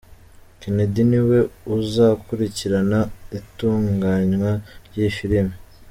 Kennedy ni we uzakurikirana itunganywa ry'iyi filimi.